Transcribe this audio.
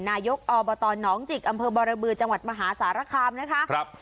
นายกอบตหนองจิกอำเภอบรบือจังหวัดมหาสารคามนะคะครับ